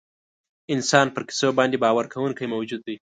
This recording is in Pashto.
انسان پر کیسو باندې باور کوونکی موجود دی.